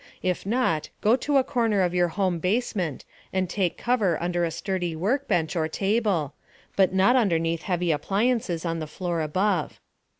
If not, go to a corner of your home basement and take cover under a sturdy workbench or table (but not underneath heavy appliances on the floor above).